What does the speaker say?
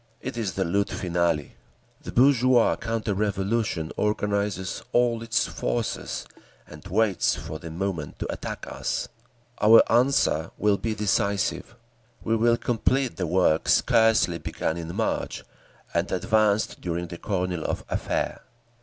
It is the lutte finale. The bourgeois counter revolution organises all its forces and waits for the moment to attack us. Our answer will be decisive. We will complete the work scarcely begun in March, and advanced during the Kornilov affair…."